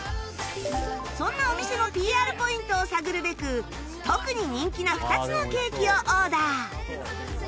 そんなお店の ＰＲ ポイントを探るべく特に人気な２つのケーキをオーダー